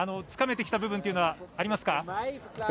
つかめてきた部分というのはありますか？